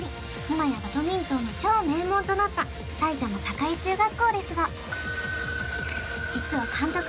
今やバドミントンの超名門となった埼玉栄中学校ですが実は監督